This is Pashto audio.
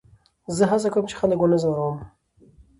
زه هڅه کوم، چي خلک و نه ځوروم.